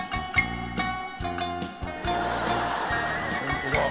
ホントだ。